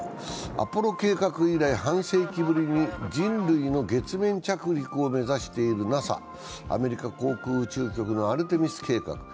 アポロ計画以来、半世紀ぶりに人類の月面着陸を目指しているＮＡＳＡ＝アメリカ航空宇宙局のアルテミス計画。